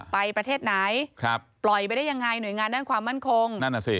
ไปประเทศไหนปล่อยไปได้ยังไงหน่วยงานด้านความมั่นคง